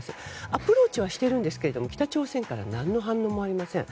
アプローチはしていますが北朝鮮から何の反応もありません。